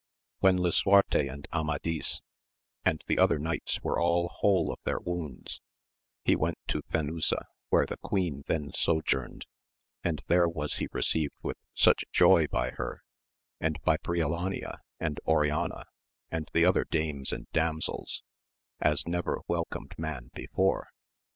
When Lisuarte and Amadis, and the other knights were all whole of their wounds, he went to Fenusa, where the queen then sojourned, and there was he re ceived with such joy by her, and by Briolania and Oriana, and the other dames and damsels, as never welcomed man before.